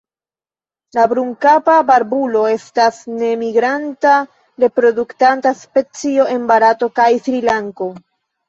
La Brunkapa barbulo estas nemigranta reproduktanta specio en Barato kaj Srilanko.